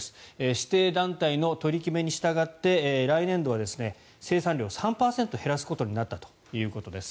指定団体の取り決めに従って来年度は生産量３％減らすことになったということです。